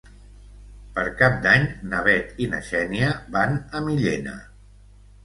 Per Cap d'Any na Bet i na Xènia van a Millena.